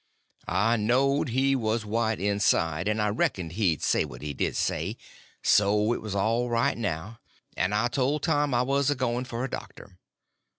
I knowed he was white inside, and I reckoned he'd say what he did say—so it was all right now, and I told Tom I was a going for a doctor.